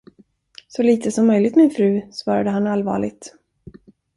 Så litet som möjligt, min fru, svarade han allvarligt.